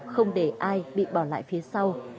không để ai bị bỏ lại phía sau